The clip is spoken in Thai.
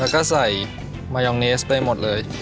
แล้วก็ใส่มายองเนสไปหมดเลย